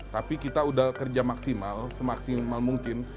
tapi kita udah kerja maksimal semaksimal mungkin